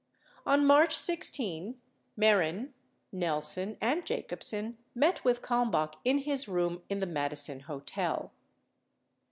72 On March 16, Mehren, Nelson, and Jacobsen met with Kalmbach in his room in the Madison Hotel.